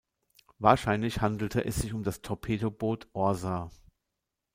Wahrscheinlich handelte es sich um das Torpedoboot "Orsa".